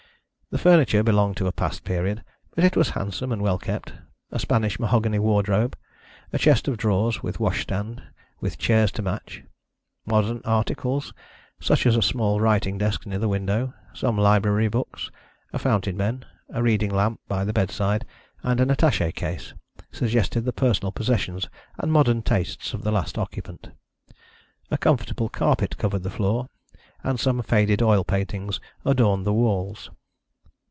The furniture belonged to a past period, but it was handsome and well kept a Spanish mahogany wardrobe, chest of drawers and washstand with chairs to match. Modern articles, such as a small writing desk near the window, some library books, a fountain pen, a reading lamp by the bedside, and an attaché case, suggested the personal possessions and modern tastes of the last occupant. A comfortable carpet covered the floor, and some faded oil paintings adorned the walls.